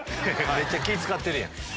めっちゃ気ぃ使ってるやん。